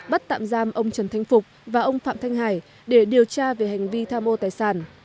bắt tạm giam ông trần thanh phục và ông phạm thanh hải để điều tra về hành vi tham ô tài sản